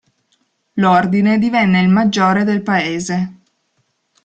L'ordine divenne il maggiore del paese.